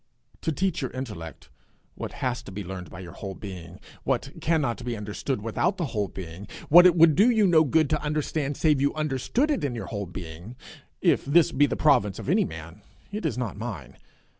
To teach your intellect what has to be learned by your whole being, what cannot be understood without the whole being, what it would do you no good to understand save you understood it in your whole being if this be the province of any man, it is not mine.